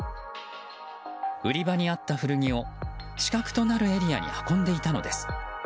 売り場にあった古着を死角となるエリアに運んでいたのです。